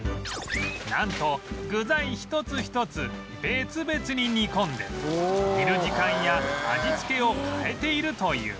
なんと具材一つ一つ別々に煮込んで煮る時間や味付けを変えているという